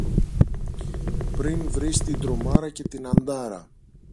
πριν βρεις την Τρομάρα και την Αντάρα.